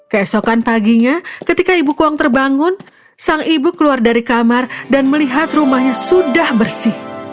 keesokan paginya ketika ibu kuang terbangun sang ibu keluar dari kamar dan melihat rumahnya sudah bersih